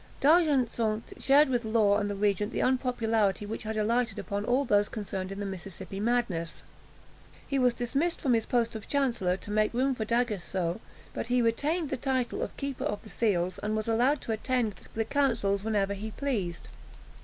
D'Argenson shared with Law and the regent the unpopularity which had alighted upon all those concerned in the Mississippi madness. He was dismissed from his post of Chancellor to make room for D'Aguesseau; but he retained the title of Keeper of the Seals, and was allowed to attend the councils whenever he pleased.